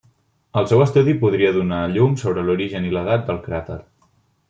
El seu estudi podria donar llum sobre l'origen i l'edat del cràter.